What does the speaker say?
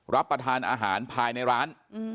รับประทานอาหารภายในร้าน